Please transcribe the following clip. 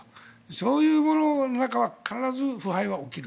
そういうものの中では必ず腐敗は起きる。